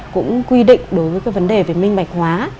cũng quy định đối với cái vấn đề về minh bạch hóa